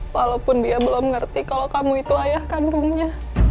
walaupun dia belum ngerti kalau kamu itu ayah kandungnya